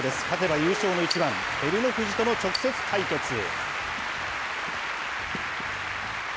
勝てば優勝の一番、照ノ富士との直接対決。